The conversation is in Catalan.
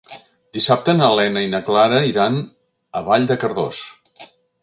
Dissabte na Lena i na Clara iran a Vall de Cardós.